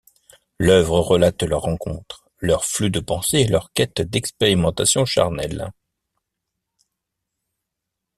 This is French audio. L’œuvre relate leurs rencontres, leur flux de pensées et leur quête d'expérimentation charnelle.